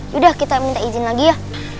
sudah kita minta izin lagi ya